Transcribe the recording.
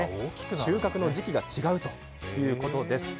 収穫の時期が違うということです。